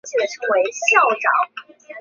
奥恩河是奥恩省的省名来源。